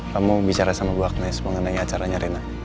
kamu bicara sama bu agnes mengenai acaranya rena